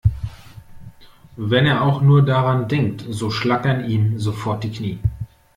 Wenn er auch nur daran denkt, so schlackern ihm sofort die Knie.